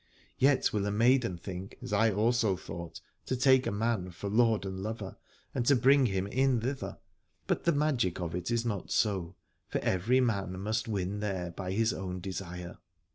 Yet will a maiden think, as I also thought, to take a man for lord and lover and to bring him in thither: but the magic of it is not so, for every man must win there by his own de sire.